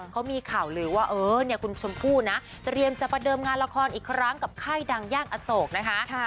เขามีข่าวลือว่าเออเนี่ยคุณชมพู่นะเตรียมจะประเดิมงานละครอีกครั้งกับค่ายดังย่างอโศกนะคะ